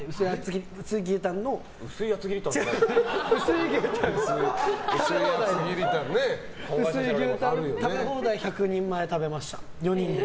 薄い牛タンの食べ放題１００人前食べました、４人で。